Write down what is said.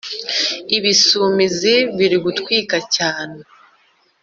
ibisumizi biri gutwika cyane